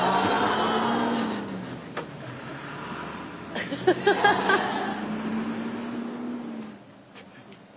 アハハハハハハ！